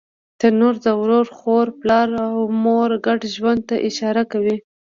تنور د ورور، خور، پلار او مور ګډ ژوند ته اشاره کوي